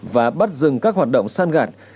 và bắt dừng các hoạt động san gạt